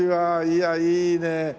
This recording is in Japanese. いやいいね。